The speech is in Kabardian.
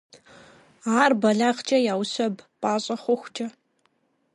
Ар бэлагъкӀэ яущэб, пӀащӀэ хъухукӀэ.